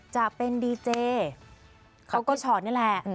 จะเป็นดีเจเขาก็ชอตนี่แหละ